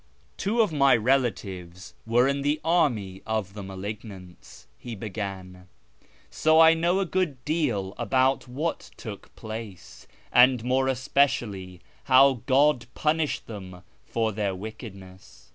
Two of my relatives were in the army of the malignants," he began, " so I know a good deal about what took place, and more especially how God punished them for their wickedness.